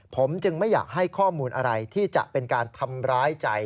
ผมจึงไม่อยากให้ข้อมูลอะไรที่จะเป็นการทำร้ายใจ